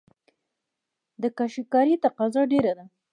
د کاشي کارۍ تقاضا ډیره ده